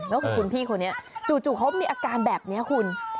ก็คือคุณพี่คนนี้จู่เขามีอาการแบบนี้คุณ